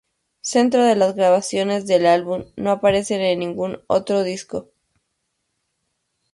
Cuatro de las grabaciones del álbum no aparecen en ningún otro disco.